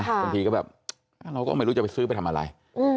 บางทีก็แบบเราก็ไม่รู้จะไปซื้อไปทำอะไร